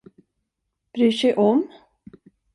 Bryr sig om?